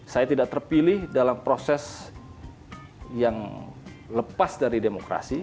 saya tidak terpilih dalam proses yang lepas dari demokrasi